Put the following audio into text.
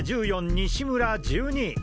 西村１２。